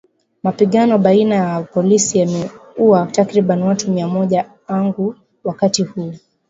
Mapigano baina ya polisi yameuwa takriban watu mia moja angu wakati huo